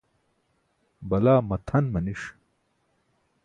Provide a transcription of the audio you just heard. balaa matʰan maniṣ